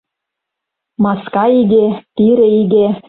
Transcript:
Маска иге, пире иге